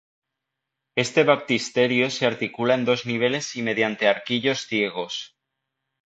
Este baptisterio se articula en dos niveles y mediante arquillos ciegos.